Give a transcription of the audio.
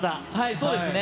そうですね。